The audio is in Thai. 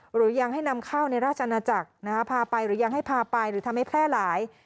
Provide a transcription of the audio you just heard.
หรือยังให้นำเข้าในราชนาจักรพาไปหรือยังให้พาไปหรือทำให้แพร่หลาย